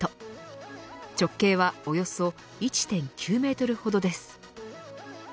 直径はおよそ１９メートルほどです。